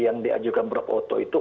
yang diajukan prof oto itu